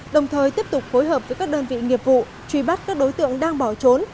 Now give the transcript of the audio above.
đồng thời tiếp tục phối hợp với các đơn vị nghiệp vụ truy bắt các đối tượng đang bỏ trốn